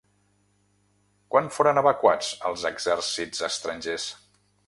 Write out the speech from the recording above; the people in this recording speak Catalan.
Quan foren evacuats els exèrcits estrangers?